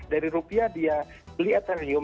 dari rupiah dia beli ethereum